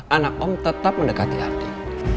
anak om tetap mendekati hati